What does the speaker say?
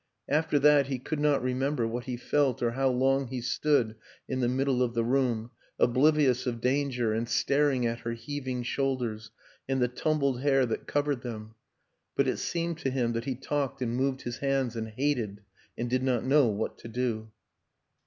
... After that he could not remember what he felt or how long he stood in the middle of the room, oblivious of danger and staring at her heaving shoulders and the tumbled hair that covered them; but it seemed to him that he talked and moved his hands and hated and did not know what to do.